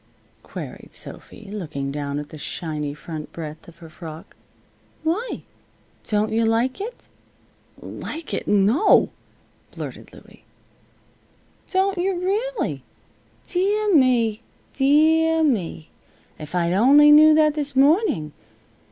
queried Sophy, looking down at the shiny front breadth of her frock. "Why? Don't you like it?" "Like it! No!" blurted Louie. "Don't yuh, rully! Deah me! Deah me! If I'd only knew that this morning.